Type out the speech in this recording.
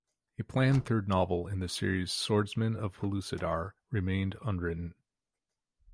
A planned third novel in the series, "Swordsmen of Pellucidar", remained unwritten.